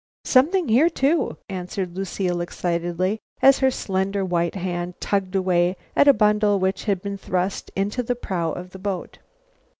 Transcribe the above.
"Something here, too!" answered Lucile excitedly, as her slender white hand tugged away at a bundle which had been thrust into the prow of the boat.